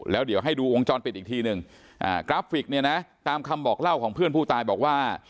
แล้วเดี๋ยวให้ดูวงจรปิดอีกทีหนึ่งกราฟิกเนี่ยนะตามคำบอกเล่าของเพื่อนผู้ตายบอกว่า